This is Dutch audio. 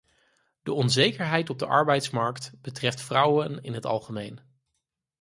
De onzekerheid op de arbeidsmarkt betreft vrouwen in het algemeen.